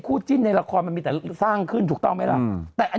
จิ้นในละครมันมีแต่สร้างขึ้นถูกต้องไหมล่ะแต่อัน